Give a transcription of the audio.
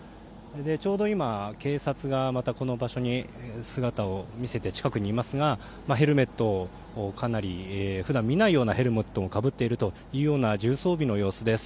ちょうど今、警察がこの場所に姿を見せて近くにいますが普段見ないようなヘルメットをかぶっているというような重装備の様子です。